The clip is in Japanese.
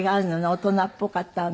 大人っぽかったのね。